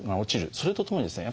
それとともにですね